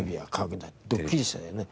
ドッキリしたよね？